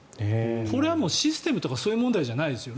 これはシステムとかそういう問題じゃないですよ。